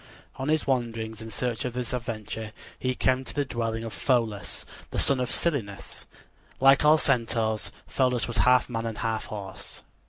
On his wanderings in search of this adventure he came to the dwelling of Pholus, the son of Silenus. Like all Centaurs, Pholus was half man and half horse.